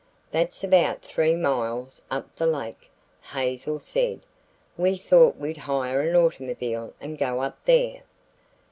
"That's about three miles up the lake," Hazel said. "We thought we'd hire an automobile and go up there."